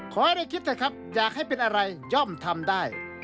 ขอให้ได้คิดเถอะครับอยากให้เป็นอะไรย่อมทำได้